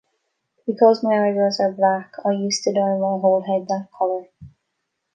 Because my eyebrows are black, I used to dye my whole head that color.